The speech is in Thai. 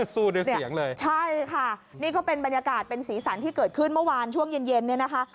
สู้ด้วยเสียงเลยใช่ค่ะนี่ก็เป็นบรรยากาศเป็นสีสันที่เกิดขึ้นเมื่อวานช่วงเย็นเย็นเนี่ยนะคะ